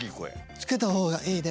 つけたほうがいい？